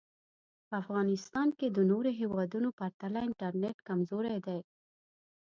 په افغانیستان کې د نورو هېوادونو پرتله انټرنټ کمزوری دی